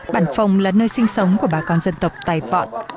bản phòng là nơi sinh sống của bà con dân tộc tài pọn